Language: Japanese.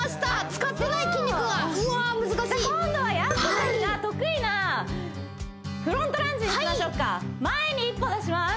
使ってない筋肉がうわ難しい今度はやす子ちゃんが得意なフロントランジにしましょっか前に一歩出します